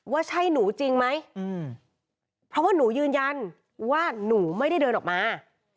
ว่าใช่หนูจริงไหมเพราะว่าหนูยืนยันว่าหนูไม่ได้เดินออกมา